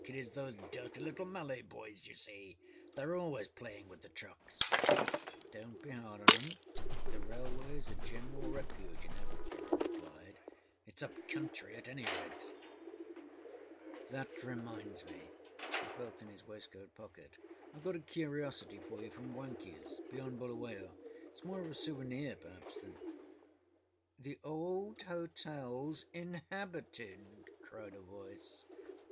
âItâs those dirty little Malay boys, you see: theyâre always playing with the trucksâ¦.â âDonât be hard on âem. The railwayâs a general refuge in Africa,â I replied. ââTisâup country at any rate. That reminds me,â he felt in his waistcoat pocket, âIâve got a curiosity for you from Wankiesâbeyond Buluwayo. Itâs more of a souvenir perhaps thanâââ âThe old hotelâs inhabited,â cried a voice.